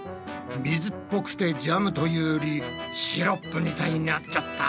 水っぽくてジャムというよりシロップみたいになっちゃった。